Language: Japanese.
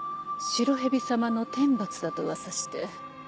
白蛇様の天罰だと噂して。